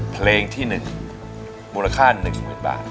เพลงที่๑มูลค่า๑๐๐๐บาท